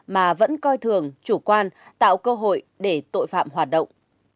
mà vẫn coi thường chủ quan tạo cơ hội để tội phạm hoạt động